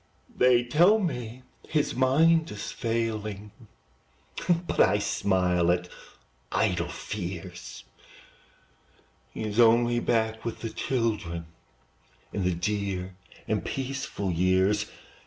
They tell me his mind is failing, But I smile at idle fears; He is only back with the children, In the dear and peaceful years.